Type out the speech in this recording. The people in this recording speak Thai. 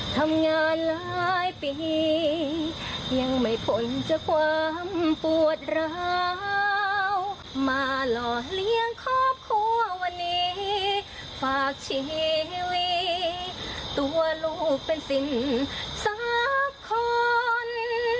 ทั้งครอบครัววันนี้ฝากชีวิตตัวลูกเป็นสิ่งทรัพย์คลอน